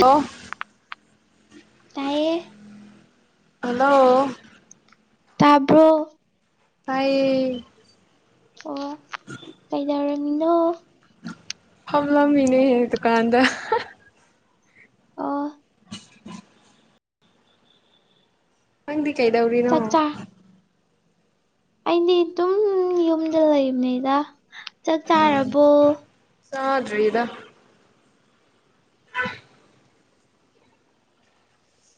ꯑꯣ ꯇꯥꯏꯌꯦ ꯍꯜꯂꯣ ꯇꯥꯕ꯭ꯔꯣ ꯇꯥꯏꯌꯦ ꯑꯣ ꯀꯩꯗꯧꯔꯝꯃꯤꯅꯣ ꯐꯝꯂꯝꯃꯤꯅꯦ ꯗꯨꯀꯥꯟꯗ ꯑꯣ ꯅꯪꯗꯤ ꯀꯩꯗꯧꯔꯤꯅꯣ ꯆꯥꯛ ꯆꯥ ꯑꯩꯗꯤ ꯗꯨꯝ ꯌꯨꯝꯗ ꯂꯩꯕꯅꯤꯗ ꯆꯥꯛ ꯆꯥꯔꯕꯣ ꯆꯥꯗ꯭ꯔꯤꯗ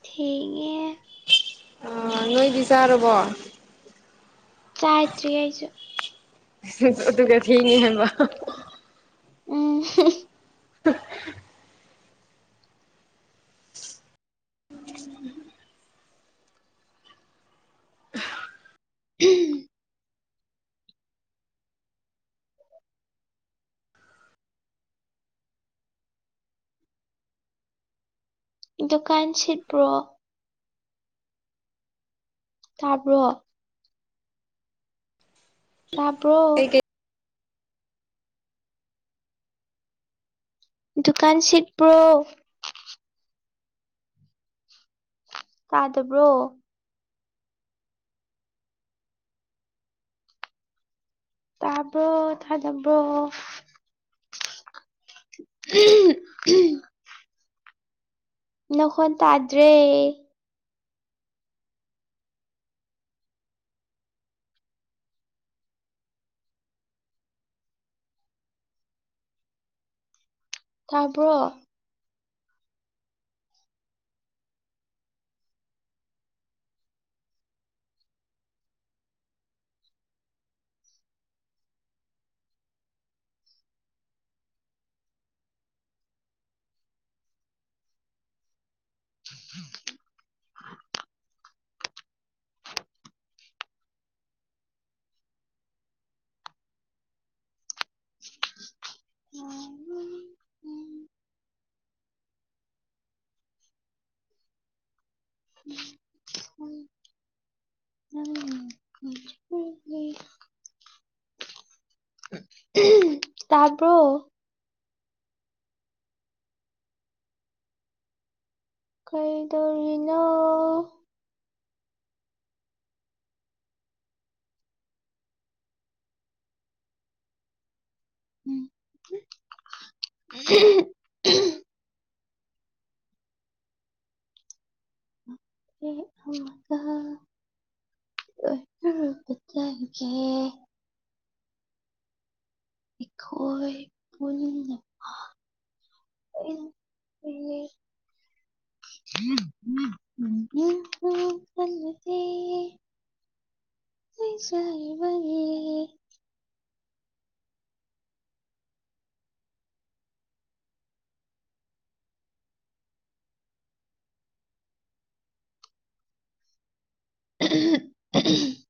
ꯊꯦꯡꯉꯦ ꯑ ꯅꯣꯏꯗꯤ ꯆꯥꯔꯕꯣ ꯆꯥꯇ꯭ꯔꯤ ꯑꯩꯁꯨ ꯑꯗꯨꯒ ꯊꯦꯡꯉꯦ ꯍꯥꯏꯕ ꯎꯝ ꯎꯝ ꯗꯨꯀꯥꯟ ꯁꯤꯠꯄ꯭ꯔꯣ ꯇꯥꯕ꯭ꯔꯣ ꯇꯥꯕ꯭ꯔꯣ ꯀꯩ ꯀꯩ ꯗꯨꯀꯥꯟ ꯁꯤꯠꯄ꯭ꯔꯣ ꯇꯥꯗꯕ꯭ꯔꯣ ꯇꯥꯕ꯭ꯔꯣ ꯇꯥꯗꯕ꯭ꯔꯣ [inaudible] ꯅꯈꯣꯟ ꯇꯥꯗ꯭ꯔꯦ ꯇꯥꯕ꯭ꯔꯣ [inaudible] [unintelligible] [inaudible] ꯎꯍꯨꯝ ꯇꯥꯕ꯭ꯔꯣ ꯀꯩꯗꯧꯔꯤꯅꯣ [unintelligible] [unintelligible] ꯑꯩꯈꯣꯏ ꯄꯨꯟꯅꯃꯛ [inaudible] [unintelligible] [unintelligible] ꯐꯤꯖꯕ ꯄꯨꯝꯕꯒꯤ [unintelligible]